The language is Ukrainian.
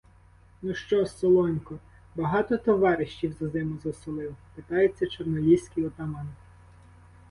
— Ну що, Солонько, багато "товаріщів" за зиму засолив? — питається чорноліський отаман.